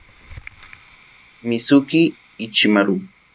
Mizuki Ichimaru